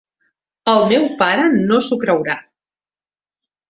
El meu pare no s'ho creurà!